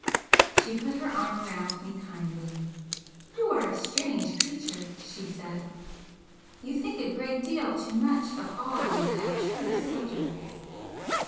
She put her arm round me kindly. "You are a strange creature!" she said "You think a great deal too much of all these abstruse subjects.